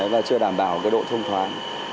và chưa đảm bảo cái độ thông thoáng